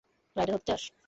Rider হতে চাস?